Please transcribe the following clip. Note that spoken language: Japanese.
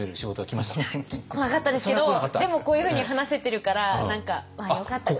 来なかったですけどでもこういうふうに話せてるからまあよかったかなと。